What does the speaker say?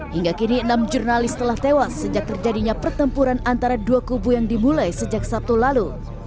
hingga kini enam jurnalis telah tewas sejak terjadinya pertempuran antara dua kubu yang dimulai sejak sabtu lalu